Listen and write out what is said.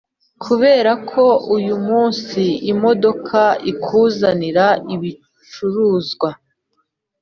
kubera ko uyumunsi imodoka ikuzanira ibicuruzwa